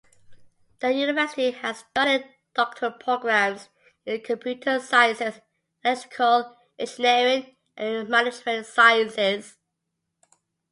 The university has started doctoral programs in Computer Sciences, Electrical Engineering, and Management Sciences.